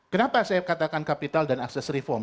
kenapa saya katakan kapital dan akses reform